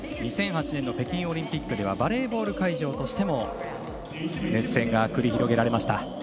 ２００８年の北京オリンピックではバレーボール会場としても熱戦が繰り広げられました。